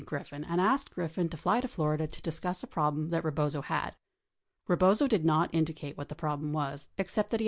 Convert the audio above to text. Griffin and asked Griffin to fly to Florida to discuss a problem that Rebozo had. Rebozo did not indicate what the problem was except that he.